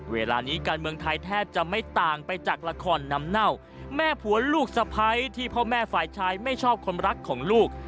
เวลานี้การเมืองไทยแทบจะไม่ต่างไปจากละครน้ำเน่าแม่ผัวลูกสะพ้ายที่พ่อแม่ฝ่ายชายไม่ชอบคนรักของลูก